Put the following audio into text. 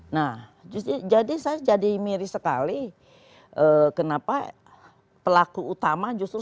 nah jadi saya jadi miris sekali kenapa pelaku utama justru